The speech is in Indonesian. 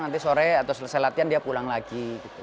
nanti sore atau selesai latihan dia pulang lagi